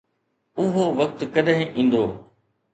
اهو وقت ڪڏهن ايندو؟